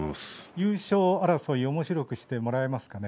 優勝争い、おもしろくしてもらえますかね。